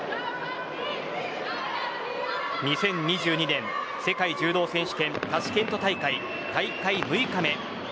２０２２年世界柔道選手権タシケント大会大会６日目。